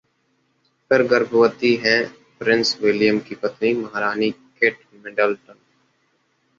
फिर गर्भवती हैं प्रिंस विलियम की पत्नी महारानी केट मिडल्टन